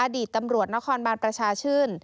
อดีตตำรวจนครบานประชาชื่น